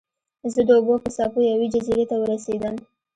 زه د اوبو په څپو یوې جزیرې ته ورسیدم.